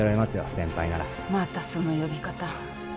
先輩ならまたその呼び方